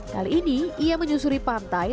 kali ini ia menyusuri pantai